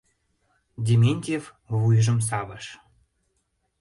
Дементьев вуйжым савыш.